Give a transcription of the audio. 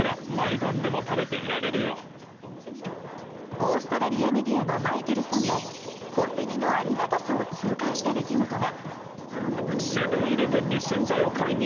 オーストラリアメディアのマイケルさんもコンビニのありがたさを痛感した出来事が。